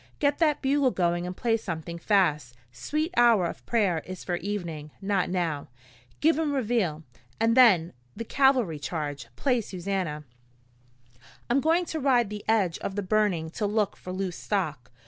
Get that bugle going and play something fast Sweet Hour of Prayer is for evening, not now. Give 'em Reveille, and then the cavalry charge. Play Susannah. "I'm going to ride the edge of the burning to look for loose stock.